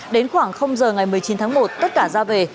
đến khoảng giờ ngày một mươi chín tháng một tất cả ra về